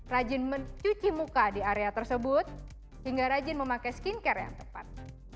rajin mencuci muka di area tersebut hingga rajin memakai skincare yang tepat